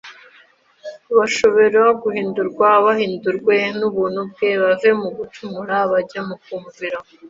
bashobore guhindurwa, bahindurwe n’ubuntu bwe bave mu gucumura bajye mu kumvira,